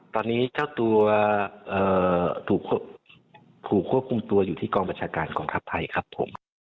ตอนนี้เจ้าตัวถูกควบคุมตัวอยู่ที่กองบัญชาการกองทัพไทยครับผม